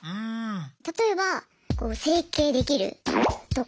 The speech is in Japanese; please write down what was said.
例えば整形できる？とか。